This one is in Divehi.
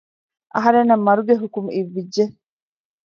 އަހަރެންނަށް މަރުގެ ހުކުމް އިއްވިއްޖެ